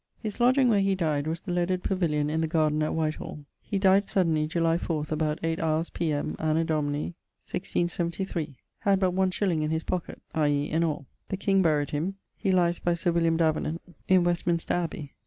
His lodgeing where he dyed was the leaded pavillion in the garden at Whitehall. He dyed suddenly July 4ᵗʰ about 8 hours P.M. Aº.D. 1673. Had but one shilling in his pocket, i.e. in all. The king buryed him. He lyes by Sir William Davenant in Westminster abbey.